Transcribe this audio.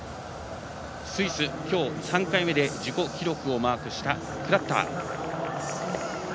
スイス、きょう３回目で自己記録をマークしたクラッター。